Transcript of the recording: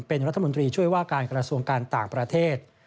เป็นรัฐมนตรีช่วยว่าการกระทรวงการต่างประเทศ